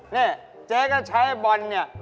นี่เจ๊ก็ใช้บอลเนี่ย